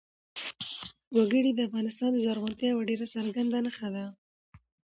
وګړي د افغانستان د زرغونتیا یوه ډېره څرګنده نښه ده.